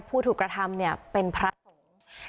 ผู้ถูกกระทำเนี่ยเป็นพระสงฆ์